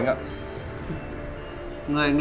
người nghèo có nhu cầu á